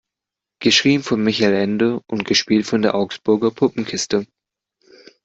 Geschrieben von Michael Ende und gespielt von der Augsburger Puppenkiste.